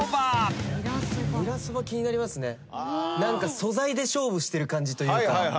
何か素材で勝負してる感じというか。